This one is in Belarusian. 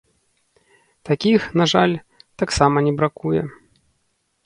Такіх, на жаль, таксама не бракуе.